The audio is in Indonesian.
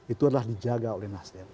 itu adalah dijaga oleh nasdem